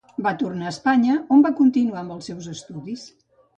Va tornar a Espanya, on va continuar amb els seus estudis.